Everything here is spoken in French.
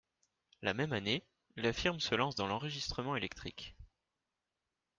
La même année, la firme se lance dans l'enregistrement électrique.